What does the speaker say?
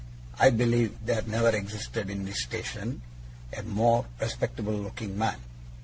I believe there never existed in his station a more respectable looking man.